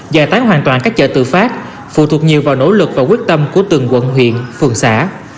giải tán hoàn toàn các chợ tự phát phụ thuộc nhiều vào nỗ lực và quyết tâm của từng quận huyện phường xã